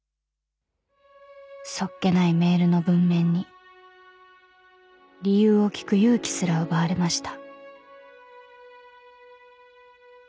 ［素っ気ないメールの文面に理由を聞く勇気すら奪われました］